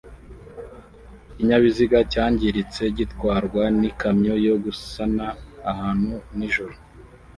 Ikinyabiziga cyangiritse gitwarwa n'ikamyo yo gusana ahantu nijoro